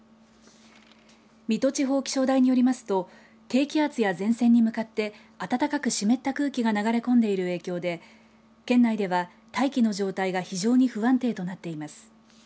水戸地方気象台によりますと低気圧や前線に向かって暖かく湿った空気が流れ込んでいる影響で圏内では大気の状態が非常に不安定になっています。